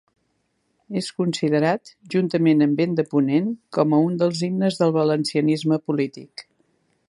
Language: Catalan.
És considerat, juntament amb Vent de Ponent com a un dels himnes del valencianisme polític.